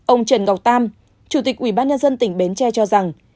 ông trần ngọc tam chủ tịch ủy ban nhân dân tỉnh bến tre cho rằng